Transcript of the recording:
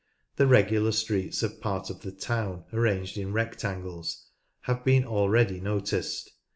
The regular streets of part of the town, arranged in rectangles, have been already noticed.